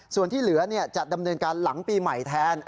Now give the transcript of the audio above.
ส่วนที่เหลือจะดำเนินการหลังปีใหม่แทน